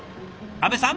阿部さん